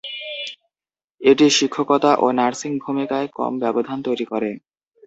এটি শিক্ষকতা ও নার্সিং ভূমিকায় কম ব্যবধান তৈরি করে।